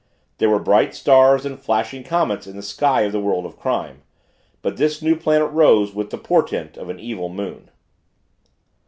There were bright stars and flashing comets in the sky of the world of crime but this new planet rose with the portent of an evil moon.